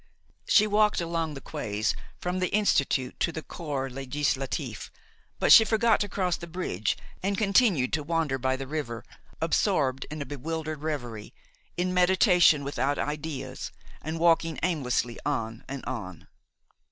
She walked along the quays from the Institute to the Corps Législatif; but she forgot to cross the bridge and continued to wander by the river, absorbed in a bewildered reverie, in meditation without ideas, and walking aimlessly on and on.